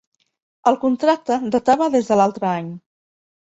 El contracte datava des de l'altre any.